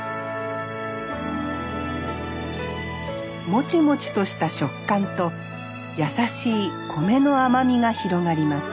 もちもちとした食感と優しい米の甘みが広がります